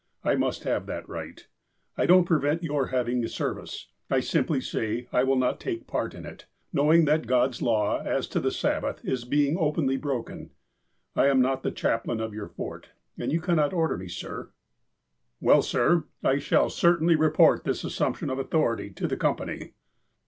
I must have that right. I don't prevent your having a service. I simply say : I will not take any part in it, knowing that God's law as to the Sab bath is being openly broken. I am not the chaplain of your Fort, and you cannot order me, sir." "Well, sir, I shall certainly report this assumption of authority to the Company."